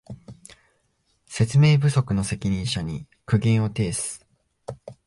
説明不足の責任者に苦言を呈す